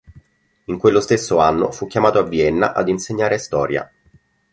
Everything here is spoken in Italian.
In quello stesso anno fu chiamato a Vienna ad insegnare storia.